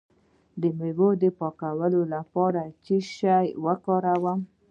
د میوو د پاکوالي لپاره باید څه شی وکاروم؟